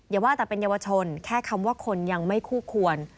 อย่าว่าแต่เป็นเยาวชนแค่คำว่าคนยังไม่คู่ควร